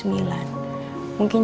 besok itu aku ada meeting